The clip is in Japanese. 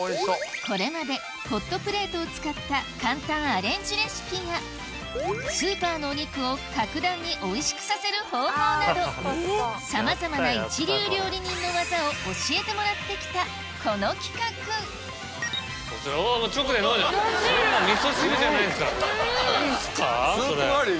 これまでホットプレートを使った簡単アレンジレシピやスーパーのお肉を格段においしくさせる方法などさまざまな一流料理人の技を教えてもらってきたこの企画直で飲んでる！